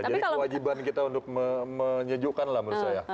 jadi kewajiban kita untuk menyejukkan lah menurut saya